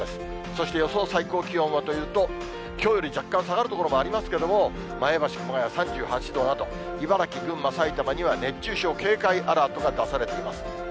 そして予想最高気温はというと、きょうより若干下がる所もありますけれども、前橋、熊谷３８度など、茨城、群馬、埼玉には熱中症警戒アラートが出されています。